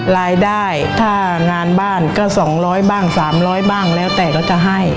รายได้ถ้างานบ้านก็๒๐๐บ้าง๓๐๐บ้างแล้วแต่ก็จะให้